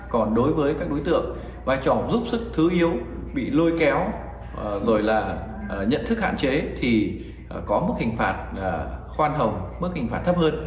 còn đối với các đối tượng vai trò giúp sức thứ yếu bị lôi kéo rồi là nhận thức hạn chế thì có mức hình phạt khoan hồng mức hình phạt thấp hơn